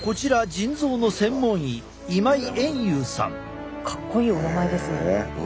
こちらかっこいいお名前ですね。